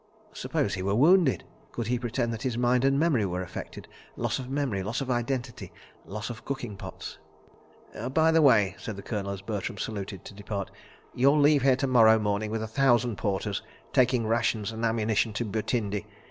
... Suppose he were wounded. Could he pretend that his mind and memory were affected—loss of memory, loss of identity, loss of cooking pots? ... "By the way," said the Colonel, as Bertram saluted to depart, "you'll leave here to morrow morning with a thousand porters, taking rations and ammunition to Butindi.